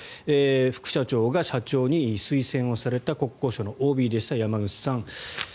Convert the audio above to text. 副社長が社長に推薦された国交省のＯＢでした山口さん